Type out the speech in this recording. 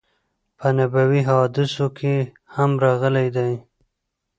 په نبوی حادثو کی هم راغلی دی